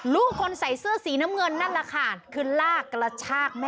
ลูกคนใส่เสื้อสีน้ำเงินนั่นแหละค่ะคือลากกระชากแม่